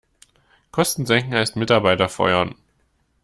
Kosten senken heißt Mitarbeiter feuern.